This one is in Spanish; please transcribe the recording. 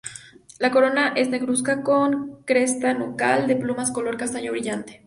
La corona es negruzca, con cresta nucal de plumas color castaño brillante.